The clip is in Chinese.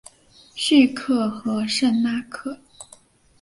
叙克和圣纳克。